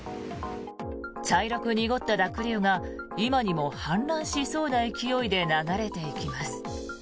茶色く濁った濁流が今にも氾濫しそうな勢いで流れていきます。